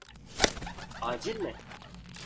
Acil mi?